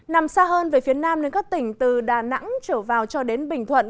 nằm xa hơn về phía nam nên các tỉnh từ đà nẵng trở vào cho đến bình thuận